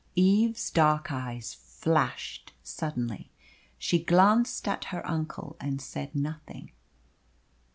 Eve's dark eyes flashed suddenly. She glanced at her uncle, and said nothing.